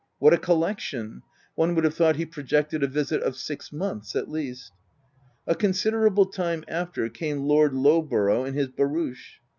What a collection ! one would have thought he pro jected a visit of six months at least. A con siderable time after, came Lord Lowborough in his barouche.